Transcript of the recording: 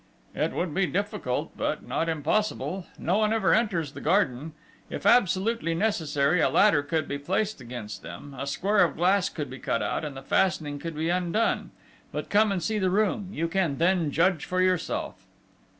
"It would be difficult, but not impossible. No one ever enters the garden. If absolutely necessary, a ladder could be placed against them, a square of glass could be cut out, and the fastening could be undone ... but come and see the room, you can then judge for yourself."